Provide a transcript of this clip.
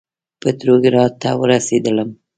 پتروګراډ ته ورسېدلم.